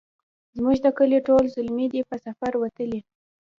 زموږ د کلې ټول زلمي دی په سفر وتلي